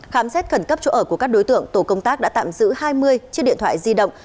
khám xét khẩn cấp chỗ ở của các đối tượng tổ công tác đã tạm giữ hai mươi chiếc điện thoại di động